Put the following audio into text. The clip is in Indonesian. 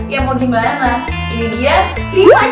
yang pertama kalo ingin narik uang tunai perhatikan nih